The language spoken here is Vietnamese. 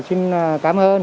xin cảm ơn